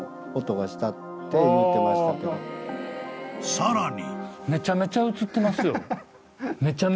［さらに］